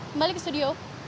kembali ke studio